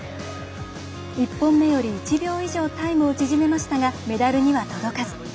１本目より１秒以上タイムを縮めましたがメダルには届かず。